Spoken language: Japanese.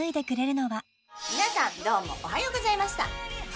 皆さんどうもおはようございました。